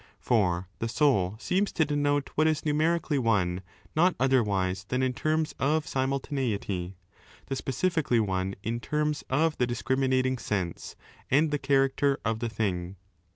^ For the soul seems to denote what is numerically one not otherwise than in terms of simultaneity; the specifically one in terras of the discriminating sense and 10 the character of the thing.